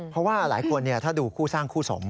เพราะว่าหลายคนถ้าดูคู่สร้างคู่สงฆ